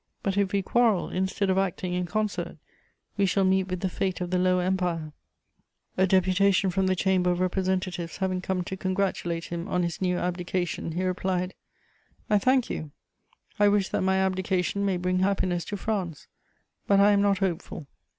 But if we quarrel, instead of acting in concert, we shall meet with the fate of the Lower Empire." [Sidenote: His second abdication.] A deputation from the Chamber of Representatives having come to congratulate him on his new abdication, he replied: "I thank you: I wish that my abdication may bring happiness to France; but I am not hopeful."